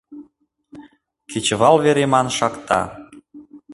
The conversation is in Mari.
Кечывал вереман шакта